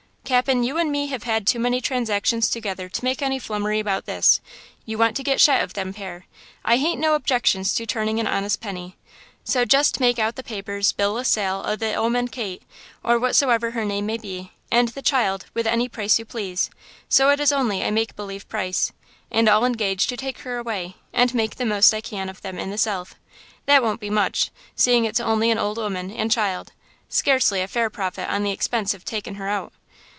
"'Cap'n, you and me have had too many transactions together to make any flummery about this. You want to get shet o' them pair. I hain't no objections to turning an honest penny. So jest make out the papers–bill o' sale o' the 'omen Kate, or whatsoever her name may be, and the child, with any price you please, so it is only a make believe price, and I'll engage to take her away and make the most I can of them in the South–that won't be much, seeing it's only an old 'oman and child–scarcely a fair profit on the expense o' takin' of her out.